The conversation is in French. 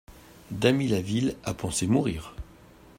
Damilaville a pensé mourir.